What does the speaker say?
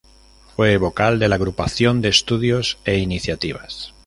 Fue vocal de la Agrupación de Estudios e Iniciativas.